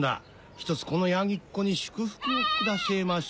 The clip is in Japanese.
ひとつこの山羊っ子に祝福を下せぇませ。